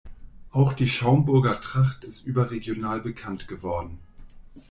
Auch die Schaumburger Tracht ist überregional bekannt geworden.